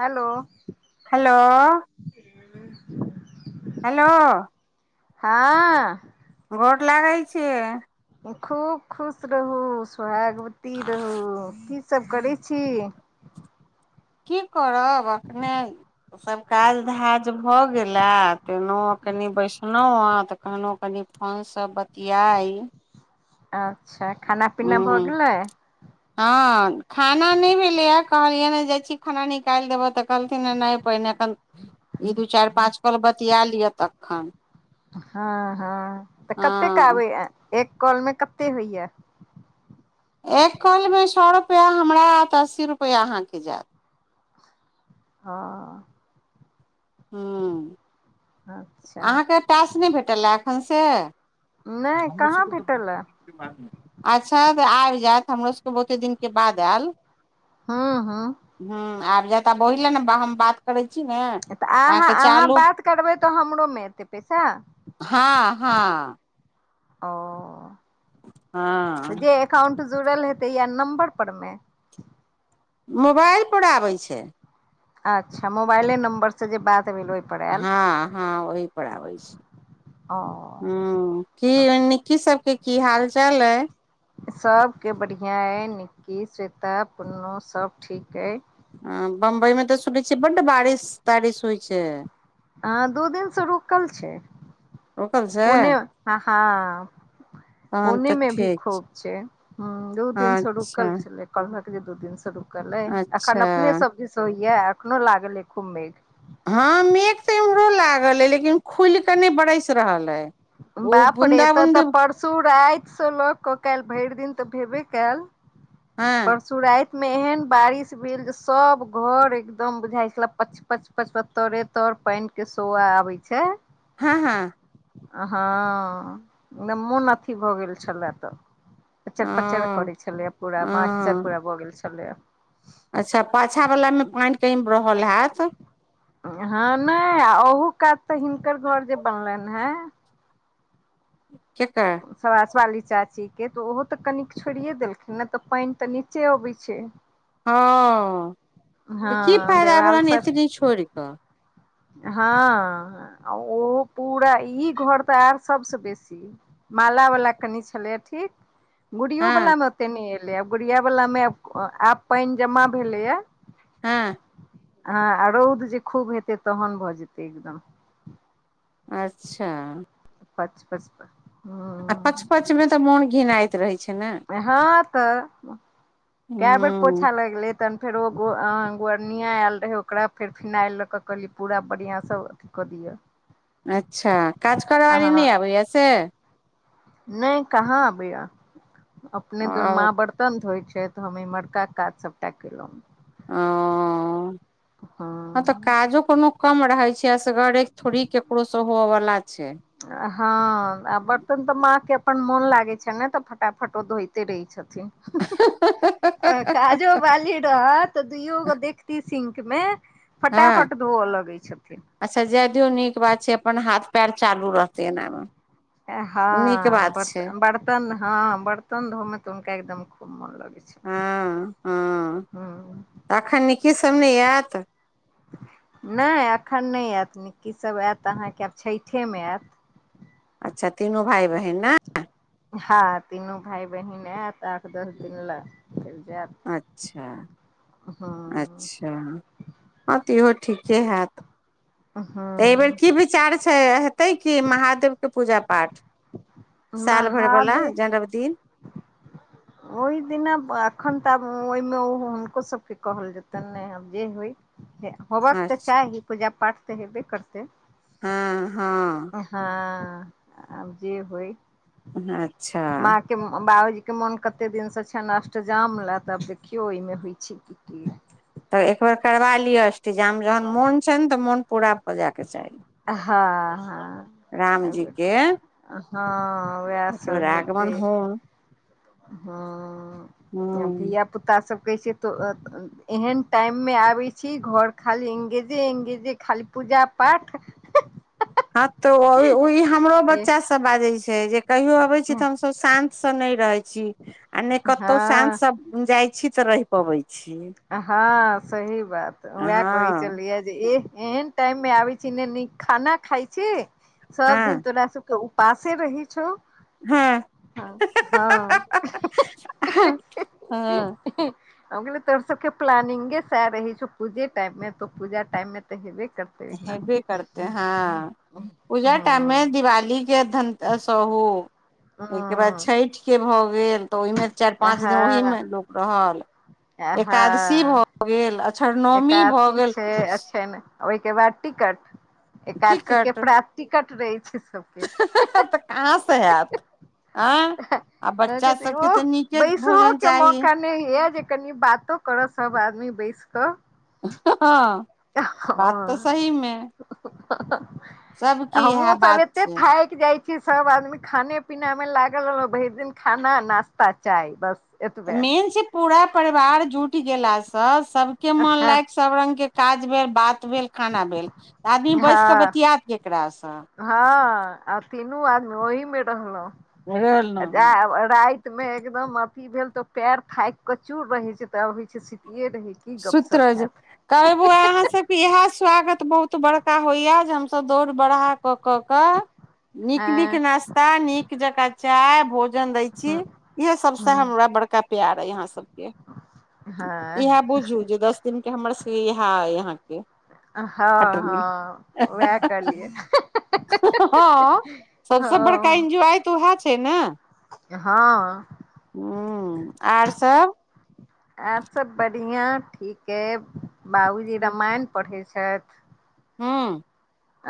Hello. Hello. Hello. हँ। गोर लागै छै? खूब, खुश रहू, सोहागवती रहू। सभ करै छै। कि करब एखने। ओ सभ काज धाज भऽ गेला तलहु कनि बैसलहुँ तऽ कखनोहुँ कनि हमसभ बतियाइ। अच्छा, खाना पीना भ हूँ गेलै। [inaudible] हँ, खाना नहि भेलै है, कहलियै है, जाइ छै खाना निकालि देबह तऽ कहलथिन नहि। पहिने एखन ई दू चारि पाँच कल बतिया लिअ तखन हँ, हँ, तऽ कतेके हँ आबे एक कॉलमे कते होइया एक कलमे सए रुपैआ हमरा आत अस्सी रुपैआ अहाँके जायत हँ। हँ। हँ। अहाँके टास्क नहि भेटल है, एखन से। नहि कहाँ भेटैलए। अच्छा तऽ आबि जायत हमरो सभके बहुते दिनके बाद आयल। हँ, हँ। ह, आब जता बोहिलेने हम बात करे छै न अहाँ, अहाँ, बात करबै त हमरोमे एतै पैसा हँ, हँ। ओ, हँ जे एकाउंट जुड़ल हेतै या नम्बर परमे। मोबाइल पर आबैत छै। अच्छा, मोबाइले नंबर से जे बात भेल ओ हँ हँ ओही पर आबै छि ह हू की निक्की सब के की हाल चाल अइ सभके बढ़िया अइ निक्की स्वेता पुन्नु सब ठीक अइ हँ बम्बई में तऽ सुनै छियै बड़ बारिश तारिश होइत छै हँ दू दिनसँ रुकल छै रोकल से पुणे ह हँ तहन पुणे तऽ मे भी ठीक खूब छै ह दु दिन से अच्छा रुकल छलै कहल जे दु दिन रुकल अइ एखन अच्छा अपने सब दिश होइय एखनो लागलै खूब मेघ हँ मेघ तऽ एम्हरो लागल अइ लेकिन खुल कऽ न ब बरैस रहल अइ ओ बाप रे बूंदा एत बूंदी तऽ परसू रातिसँ लऽ कऽ कइल भैर दिन तऽ भेबे कैल [inaudible] सु राति मे एहन बारिश भेल जे सब घर एकदम बुझााय छले पय पच पचपत्तरे तोड़े तोड़ पानी के सो आबे छै हँ हँ हँ मोन अथी भऽ गेल छलै तऽ पचर पचर ओ करे छले पूरा बासचर हँ भऽ गेल छलै अच्छा पाछा वला म पानी कैम रहल हैत हँ न आ ओहु कात हिनकर घर जे बनलन है [unintelligible] केकर सबासवाली चाची के तऽ ओहो तऽ कनिक छोड़ि देलखिन ने तऽ पानी तऽ नीचे अबै छै हँ त हँ की फायदा देवाल भेलन सब एतनी छोड़ क हँ ओहो पूरा ई घर त अ सबसे बेसी माला वाला कनि छलैक ठीक गुड़ियो हँ वला मे ओते न एलै आब गुड़िया वला मे आब पानी जमा भेलैए [inaudible] हँ रौद जे खूब हेतै तहन भऽ जेतै एकदम अच्छ पच पच पर [unintelligible] आ पच पच में तऽ मोन छिनाइत रहै छै न हँ तऽ कए बेर हूँ पोछा लगले तहन फेर ओ गोवरनिया आयल रहै ओकरा फेर फिनाइल लऽ कऽ कहली पूरा बढ़िआँसँ क दिय अच्छ काज करयवाली न आबैया से न कहाँ आबैया अपने दुनू ओ माँ [unintelligible] बर्तन धोय छै त हम इमहरका काज सबरा केलौ ह [unintelligible] हँ काजो कोनो कम रहे छै असगरे थोड़ी केकरो स हेवै वाला छै हँ आ बर्तन तऽ माँ के अपन मोन लागे छने तऽ फटाफट ओ धोते रहे छथिन [inaudible] वाली रहत दुइयो गो देखती सिंक मे फटाफट धोअ लगै छथिन अच्छ जाय दियौ नीक बात छै अपन हाथ पैर चालू रहतै एनामे नीक हँ बात छै बर्तन हँ बर्तन धो मे तऽ हुनका एकदम खूब मोन लगै छै ह [inaudible] अखन निक्की सब न आयत न एखन न आयत निक्कीक सभ आयत अहाँके आब छैठ मे आयत अच्छ तीनो भाय बहिन न हँ तीनू भााय बहिन आयत आठ दस दिन ल भेर जाइत अच्छ हँ अच्छ हँ तऽ इहो ठीके हैत [unintelligible] तऽ एहि बेेर हँ की विचार छै हेतै क महादेव के पूजा पाठ [unintelligible] साल भर बला महादेव जन्म दिन ओहि दिना एखन तऽ आब ओहिमे ओ हुनको सभके कहल जेतन ने आब जे होइ होबाक तऽ अच्छा चाही पूजा पाठ तऽ हेबे करतै हँ हँ हँ आब जे होइ अच्छा के बाबूजी के मोन कते दिनसँ छेन अष्टजाम लए तऽआब देखियौ एहिमे होइ छै की की तब एक बेेर करबा लिय अष्टजाम जहन मोन छैन त मोन पूरा भ जायके चाही हँ हँ रामजी के हँ उएह एकबेर सब आगमन हेतै होन हैं हूँ धियापुता सब कैसे तो एहेन टाइम मे आबे छी घर खाली इंगेजे इंगेजे खाली पूजा पाठ हँ तऽ ओ ई हमरो एह बच्चा सब बाजे छै जे कहियो अबे छी तऽ हमसब शान्त सँ नहि रहै छी आ नहि कतौ शान्त सँ हँ जाइ छी तऽ रहि पबै छिये हँ सही बात उएह कहै हँ छलियै जे ए एहन टाइम मे आबे छी नइ नीक खाना खाय छी सब हँ दिन तोरा सब के उपासे रहै छौ हँ हँ हँ हँ हम कहलिये तोर सबके प्लानिंगे सैह रहे छौ पूजे टाइम मे तो पूजा टाइम मे तऽ हेबे कर हेबे करते हँ हँ पूजा टाइम मे हँ दिवालीक केय धन सँ उ ओहिके बाद छठिके भऽ गेल तऽ ओहिमे चारि हँ पाँच दिन ओहिमे लोक रहल एकादशी भऽ हँ भऽ गेल अक्षर नवमी भऽ एकादशी गेल छै आछैन ओहिकेँ बाद टिकट एकादशी के टिकट प्रात टिकट रहे छै सबके तऽ कहाँ सँ हैत आँय आ कहैत बच्चा सबके हेतैओह तऽ नीके बैसहो भोजन के चाही मौका नहि होय जे कनि बात तो करऽ सब आदमी बैस कऽ हँ हँ बात तऽ हँ सहीमे इएह हमहुँ सब बात एते छै थाइक जाइ छी सब आदमी खाने पीना मे लागल रहल भरि दिन खाना नाास्ता चाय बस एतबे मेन छै पूरा परिवार जुट गेलासँ सबके मन हँ लागि सब रंग के काज भेल बात भेल खाना भेल आदमी बैस के हँ बतियात केकरा सँ हँ आ तीनू आदमी ओहि मे बुझल रहलहु जा न आब राति मं एकदम अथी भेल तऽ पैर थाक के चूर रहे छै तब होय छै सुतये रहे की सुइत गपशप रहै छै हैत काइल बोआ आहाँ सब इएह स्वागत बहुत बड़का होइया जे हमस दौड़ बड़हा क क कऽ नीक नीक हँ नास्ता नीक जकाँ चाय भोजन दै छी हँ इएहे सबसँ हँ उहे बड़का प्यार य अहाँ सबके इएह बुझू हँ दस दिन के हमर समके इहे यह आहाँ सबके हँ खटनी हँ उएह करलियै हँ सबसे बड़का हँ एन्जॉय तऽ वैद छै न हँ हूँ आर सब आर सब बढ़िया ठीक अइ बाबूजी रामायण पढ़ैत छथि हुँ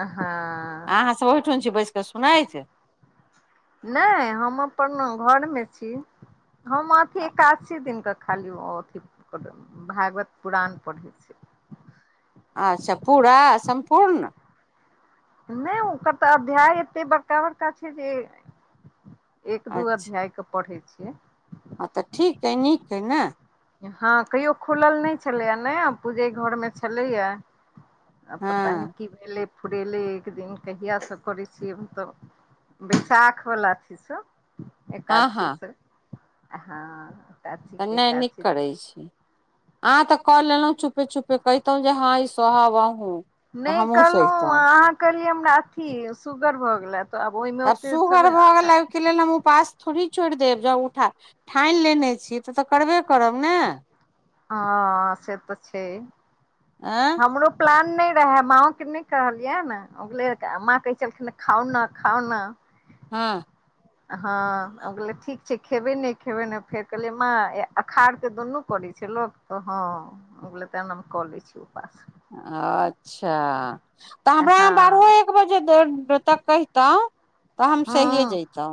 आहाँ अहाँ सब ओहिठन छी बैस क सुनाइ नहि हम अपन घर मे छी हम अथी एकासी दिन कऽ खाली अथी भागवत पुराण पढ़ै छै अच्छा पूरा सम्पूर्ण नहि ओकर तऽ अध्याय एते बड़का बड़का छै जे एक दू अच्छा अध्याय के पढ़ै छियै हँ तऽ ठीक अइ नीक अइ ने हँ कहियो खुलल नहि छलैए ने पूजे घरमे छलैए आ पता नहि हँ की भेलै फुरेले एक दिन कहियास करै छियै हम तब बैशाख वला छी से हँ एकदसी हँ से हँ छी एक छी करै छी आह तऽ कऽ लेलहु छुपे छुपे कहितहु जे हँ ई सोहव आहु नहि कहलौ आहाँ करलियै हमरा अथी सुगर भऽ गेले तऽ आब ओहिमे ओते थोड़े के लेल हम ओपासथोड़ी छोड़ि देब जा उठा ठानि लेने छी तऽ तऽ करबे करब ने ह से तऽ छै आ हमरो प्लान नहि रहे माओ के नहि कहलियै ने माँ कहै छलखिन खाउ ने खाउ ने हँ हँ ओै ठीक छै खेबै नहि खेबै ने फेर कहलियै माँ अखार क दुनू करै छै लोक त हँ त कऽ लै छी उपास अच्छा तऽ हमरा बारहो हँ एक बजे तक कहितहुँ तऽ हम सहिए हूँ जैतहु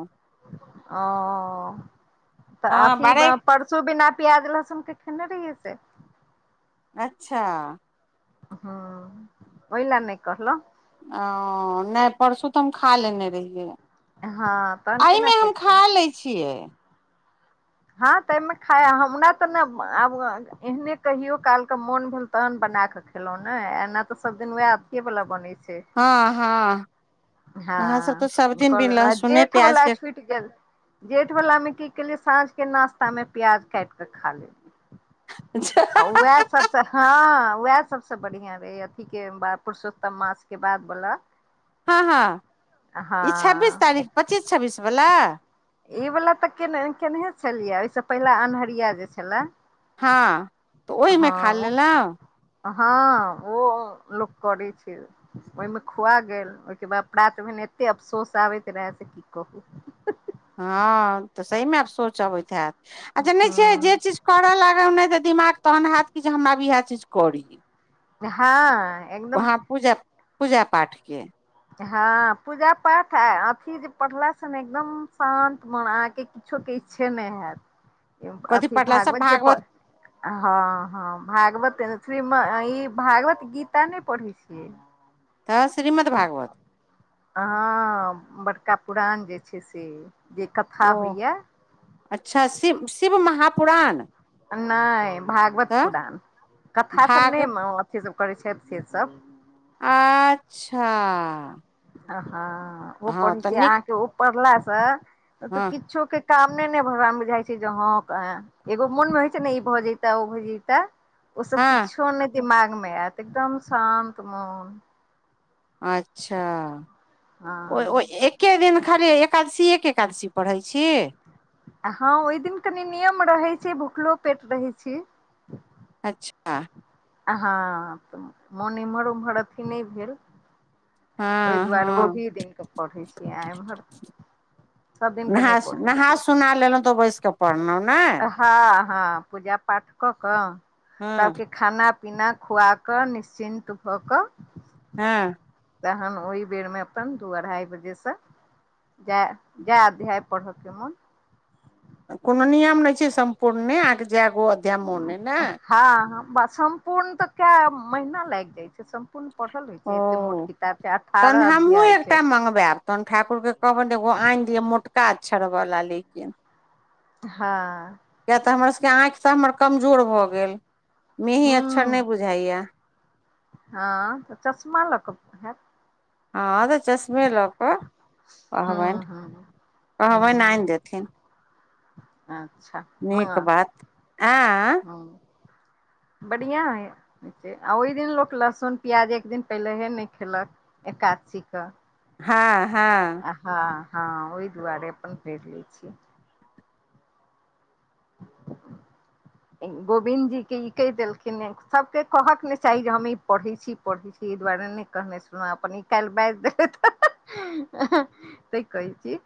ओ तऽ हँ आथी बारह ब परसू बिना प्याज लहसुन के खेने रहियै से अच्छा हू ओहिला‌नहि कहलौ ओ नहि परसू तऽ हम खा लेने रहियै हँ तहन केना एहिमे हम खा करितहुँ लैत छियै हँ तामे खायइ हमरा तऽ ने आब एहने कहियो काल के मोन भेल तहन बना कऽ खलहुँ ने एना तऽ सब दिन वएह अथिये वाला बनै छै हँ हँ अहाँ सब तऽ हँ सब दिन बिन लहसुने जेठ प्याज बला के छ ट गेल जेठ वालला में की केलिये साँझ के नाास्ता में प्याज काट के खा ले अच्छा उएह सबस हँ उएह सबस बढ़िया रहे अथी के पुरुषोत्तम मास के बाद बोला हँ हँ ई छब्बीस हँ तारीख पच्चीस छब्बीस बला ई वाल्ला तऽ केने केनेहे छलियै ओहिस पहिला अन्हरिया जे छले हँ तऽ ओहिमे खा हँ ओ लेलहुँ हँ ओ लोक करै छै ओहिमे खुआ गेल ओहिके बाद परात भेने एते अफसोस आबैत रहए से की कहू हँ तऽ सहीमे आब सोच अबैत हैत आ जनैत छियै जे हँ चीज करऽ लागब ने तऽ दिमाग तहन हैत कि जे हम आब इएह चीज करी हँ एकदम वहाँ पूजा पूजा पाठके हँ पूजा पाठ आ अथी जे पढ़लास स ने एकदम शान्त मन अहाके कछु के इच्छे नहि हयैत कथी अथी पढ़ला सब भागवत जे पर हँ हँ भागवत फ ई भागवत गीता नहि पढ़ी [inaudible] तऽ श्रीमद् भागवत हँ बड़का पुरान जे छै से जे कथा ओ होइए अच्छा शिव शिव महापुराण नहि भागवत तऽ पुुराण कथा सब भाग नहि अथी सब करै छथि से सब अच्छा आ ह ओ हँ पढ़ तऽ छै नीक अहाँके ओ पढ़ला से तऽ हँ किछो के हमे ने भगान मे बुझाइ छै जे ह एगो मोन मे होइ छै ने ई भऽ जता ओ भऽ जता ओ सब हँ किछो नहि दिमाग मे आयत एकदम शान्त मन अच्छा ओ ओ हँ एक एक दिन खाली एकादशी एक एकादशी पढ़ै छी हँ ओहि दिन कनी नियम रहै छै भूखलो पेट रहै छै अच्छा ह त मन इमहर उमहर अथी नहि भेल ओहि हँ दुआरे हँ ओहि दिनके पढ़ै छियै एमहर नहा नहा सुना लेलहुँ तऽ ओ बैस कऽ पढ़लहुँ ने ह हँ पूजा पाठ कऽ कऽ हँ सबके खाना पना खुआ करऽ निश्चिन् भऽ कऽ हँ तहन ओहि बेरमे अपन दू अढ़ाई बजेसँ जाय जाय अध्याय पढ़ऽ के मोन कोनो नियम नहि छै सम्पूर्ण अहाँके जायगो अध्या मोने ने हँ ह सम्पूर्ण तऽ कए महीना लागि जाइ छै कोन पढ़ल होय ओ छै एते मोट किताब छै अठारह अध्याय छै माँगबैर [unintelligible] तहन ठाकुर के कहबनि एगो आनि दिय मोटका अक्षर बला लेकिन हँ कियैक तऽ हमर सबके आँखि त हमर कमजोर भऽ गेल मेही अक्षर हूँ नहि बुझाइए यैह हँ तऽ चश्मा लक हँ तऽ चश्मे लऽ कऽ हूँ कहबनि हूँ कहबनि हूँ आनि देथिन अच्छा मग नीक बात आँ ह बढ़िया है आ ओहि दिन लोक लहसुन प्याज एक दिन पहिलेहे नहि खेलक एकादशीके हँ हँ हँ हँ ओहि दुआरे अपन पर लै छियै [inaudible] गोविन्द जी के ई कहि देलखिन सबके कहक ने चाही जे हम ई पढ़े छी पढ़े ई दुआरे नहि कहने सुन अपन न काल् बाज देबै त त कहै छी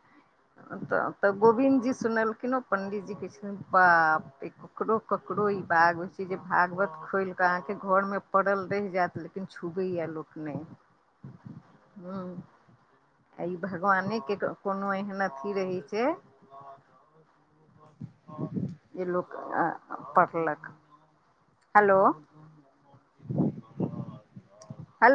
तऽ तऽ गोविन्द जी सुनलखिन ओ पंडीजी कह छथिन बाप ककरो ककरो ई बाग होइ छै जे भागवत खोलि कऽ अहाँके घरमे पड़ल रहि जायत लेकिन लेकिन छुबैए लोक नहि [inaudible] हँ आ ई भगवाने के कोनो एहन अथी रहै छै जे लोक पढ़लक हेलो हेलो